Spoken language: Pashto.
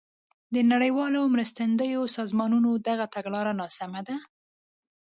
د نړیوالو مرستندویو سازمانونو دغه تګلاره ناسمه ده.